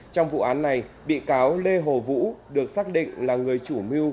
trong vụ án này bị cáo lê hồ vũ được xác định là người chủ mưu